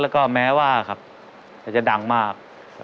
แล้วก็แม้ว่าครับจะดังมาก